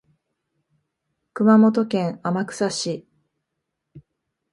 熊本県天草市